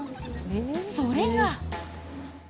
それが。